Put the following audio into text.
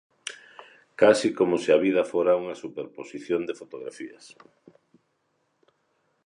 Case como se a vida fora unha superposición de fotografías.